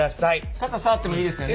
社長触ってもいいですよね？